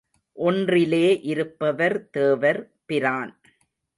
ஒன்றிலே இருப்பவர் தேவர் பிரான்.